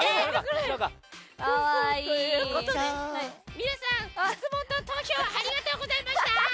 皆さん、質問と投票ありがとうございました！